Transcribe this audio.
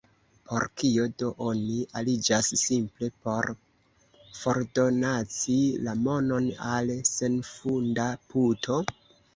Por kio do oni aliĝas, simple por fordonaci la monon al senfunda puto?